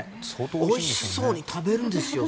おいしそうに食べるんですよ